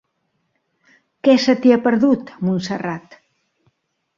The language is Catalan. Què se t'hi ha perdut, a Montserrat?